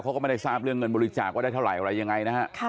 เขาก็ไม่ได้ทราบเรียนเงินบุริจาคได้เท่าไรอย่างไร